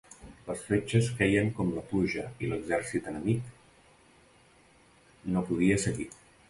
Les fletxes queien com la pluja i l'exèrcit enemic no podia seguir.